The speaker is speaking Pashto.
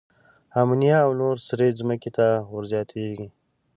آمونیا او نورې سرې ځمکې ته ور زیاتیږي.